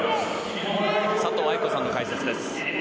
佐藤愛子さんの解説です。